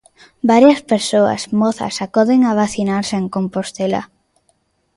Varias persoas mozas acoden a vacinarse en Compostela.